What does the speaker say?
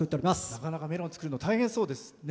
なかなかメロン作るの大変そうですね。